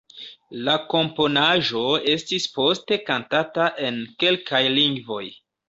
La komponaĵo estis poste kantata en kelkaj lingvoj.